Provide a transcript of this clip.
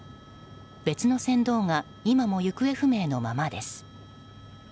別の船頭が今も行方不明のままです。